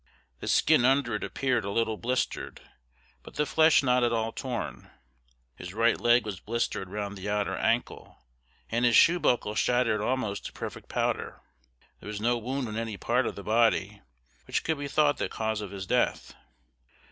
The skin under it appeared a little blistered, but the flesh not at all torn. His right leg was blistered round the outer ankle, and his shoe buckle shattered almost to perfect powder. There was no wound on any part of the body which could be thought the cause of his death.